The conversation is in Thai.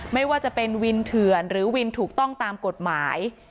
ไม่ว่าจะเป็นวินเถื่อนหรือวินถูกต้องตามกฎหมาย